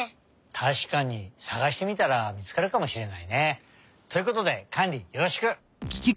たしかにさがしてみたらみつかるかもしれないね。ということでカンリよろしく！